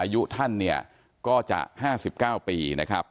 อายุท่านเนี่ยก็จะ๕๙ปีนะครับ